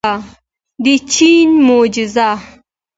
د چین معجزه.